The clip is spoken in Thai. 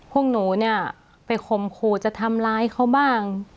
พวกหนูเนี่ยไปข่มขู่จะทำร้ายเขาบ้าง